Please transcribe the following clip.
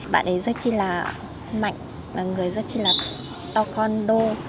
bạn ấy rất chi là mạnh và người rất là to con đô